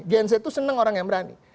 gen z itu senang orang yang berani